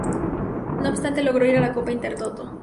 No obstante, logró ir a la Copa Intertoto.